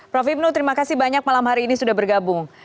prof ibnu terima kasih banyak malam hari ini sudah bergabung